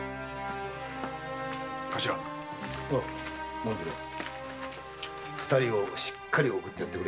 紋次郎二人をしっかり送ってやってくれ。